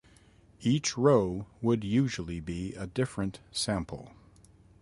Each row would usually be a different sample.